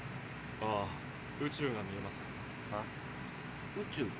ああ宇宙が見えます。